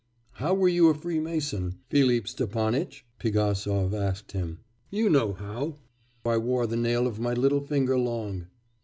'How were you a freemason, Philip Stepanitch?' Pigasov asked him. 'You know how; I wore the nail of my little finger long.